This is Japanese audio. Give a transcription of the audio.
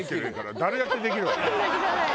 誰だってできるわよ。